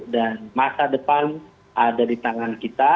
dan masa depan ada di tangan kita